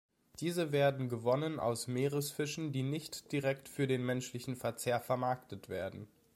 Diese werden gewonnen aus Meeresfischen, die nicht direkt für den menschlichen Verzehr vermarktet werden.